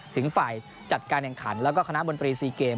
ถึงฝ่ายจัดการแห่งขันและคณะบนปรีซีเกม